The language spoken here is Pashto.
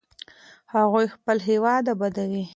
هغوی خپل هېواد ابادوي.